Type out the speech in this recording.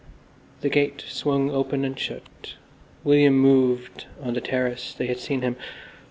The gate swung open and shut. William moved on the terrace; they had seen him.